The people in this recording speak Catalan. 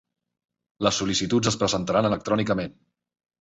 Les sol·licituds es presentaran electrònicament.